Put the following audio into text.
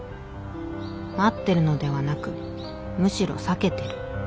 待ってるのではなくむしろ避けてる」